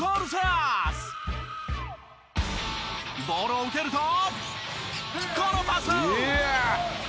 ボールを受けるとこのパス！